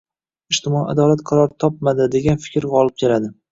— «ijtimoiy adolat qaror topmadi», degan fikr g‘olib keladi.